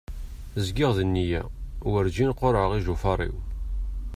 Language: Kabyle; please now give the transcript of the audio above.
Zgiɣ d neyya, warǧin qurɛeɣ ijufar-iw.